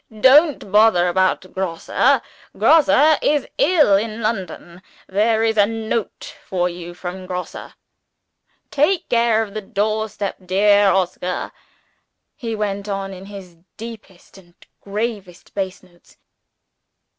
"Don't bother about Grosse! Grosse is ill in London. There is a note for you from Grosse. Take care of the door step, dear Oscar," he went on, in his deepest and gravest bass notes.